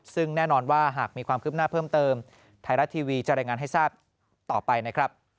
ซึ่งแน่นอนว่าหากมีความคืบหน้าเพิ่มเติมไทยรัฐทีวีจะรายงานให้ทราบต่อไปนะครับ